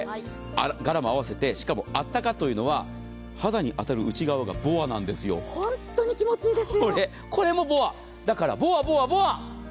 柄も合わせてしかもあったかというのは肌に当たる内側が本当に気持ちいいですよ。